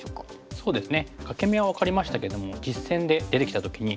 そうですね。